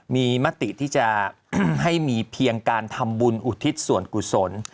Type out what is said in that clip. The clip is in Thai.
มีมติที่จะให้มีเพียงการทำบุญอุทิศส่วนกุศล